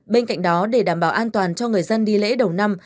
bên cạnh đó để đảm bảo an toàn cho người dân đi lễ đầu năm